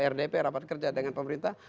rdp rapat kerja dengan pemerintah